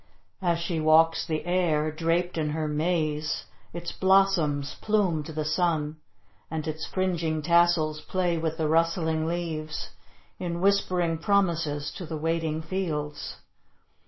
As she walks the air, draped in her maize, its blossoms plume to the sun, and its fringing tassels play with the rustling leaves in whispering promises to the waiting fields.